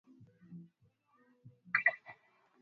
Tiba ya kubadili opiati imekuwa njia inayokubalika ya matibabu